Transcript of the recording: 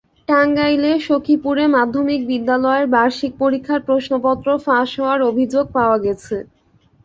টাঙ্গাইলের সখীপুরে মাধ্যমিক বিদ্যালয়ের বার্ষিক পরীক্ষার প্রশ্নপত্র ফাঁস হওয়ার অভিযোগ পাওয়া গেছে।